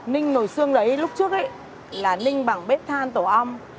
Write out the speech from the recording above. ninh nồi xương đấy lúc trước là ninh bằng bếp than tổ ong